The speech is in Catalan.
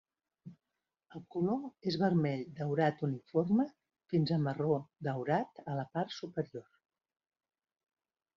El color és vermell daurat uniforme fins a marró daurat a la part superior.